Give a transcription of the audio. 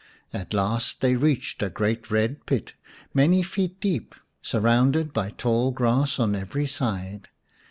At last they reached a great red pit, many feet deep, surrounded by tall grass on every side.